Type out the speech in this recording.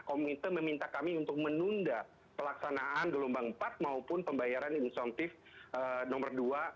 komite meminta kami untuk menunda pelaksanaan gelombang empat maupun pembayaran insentif nomor dua